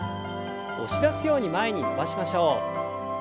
押し出すように前に伸ばしましょう。